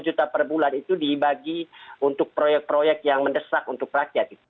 satu juta per bulan itu dibagi untuk proyek proyek yang mendesak untuk rakyat